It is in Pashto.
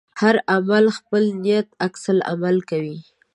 هر عمل خپل نیت انعکاس کوي.